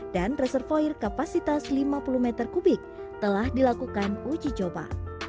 dan reservoir kapasitas lima puluh m tiga telah dilakukan uji coba